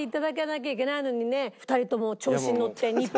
２人とも。